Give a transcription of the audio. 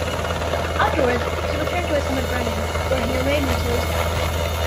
Afterwards, he returned to his home at Bremen, where he remained until his death.